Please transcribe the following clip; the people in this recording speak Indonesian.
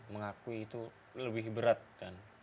mengakui itu lebih berat dan